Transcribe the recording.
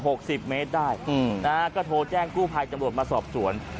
สิบเมตรได้อืมนะฮะก็โทรแจ้งกู้ภัยตำรวจมาสอบสวน